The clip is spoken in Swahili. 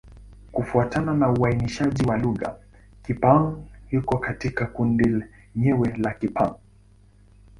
Kufuatana na uainishaji wa lugha, Kipa-Hng iko katika kundi lake lenyewe la Kipa-Hng.